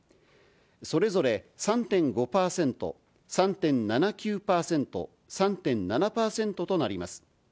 それぞれ３．５％、３．７９％、３．７％となります。